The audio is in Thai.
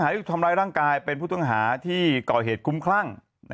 ทำร้ายร่างกายเป็นผู้ต้องหาที่ก่อเหตุคุ้มคลั่ง